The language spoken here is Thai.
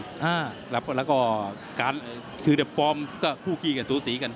เป็นลองแล้วก็การคือแบบฟอร์มก็คู่กี่กันสูงสีกัน